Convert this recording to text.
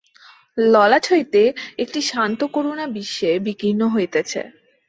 ললাট হইতে একটি শান্ত করুণা বিশ্বে বিকীর্ণ হইতেছে।